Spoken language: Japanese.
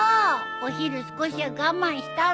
お昼少しは我慢したのに。